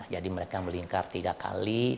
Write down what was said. jadi mereka melingkar tiga kali